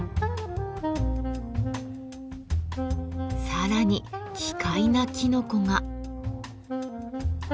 さらに奇怪なきのこが。